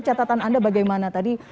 catatan anda bagaimana tadi